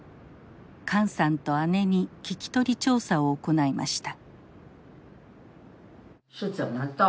管さんと姉に聞き取り調査を行いました。